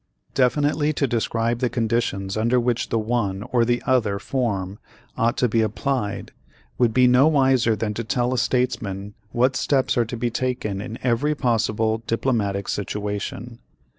Definitely to describe the conditions under which the one or the other form ought to be applied would be no wiser than to tell a statesman what steps are to be taken in every possible diplomatic situation.